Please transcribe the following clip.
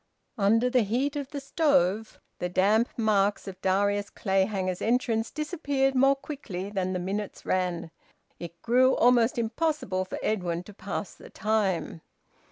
Under the heat of the stove, the damp marks of Darius Clayhanger's entrance disappeared more quickly than the minutes ran. It grew almost impossible for Edwin to pass the time.